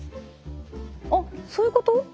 あっそういうこと？